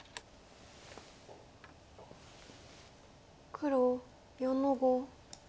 黒４の五。